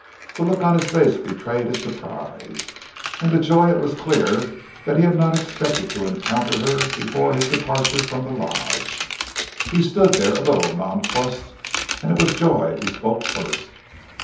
The look on his face betrayed his surprise, and to Joy it was clear that he had not expected to encounter her before his departure from the lodge. He stood there a little nonplussed and it was Joy who spoke first.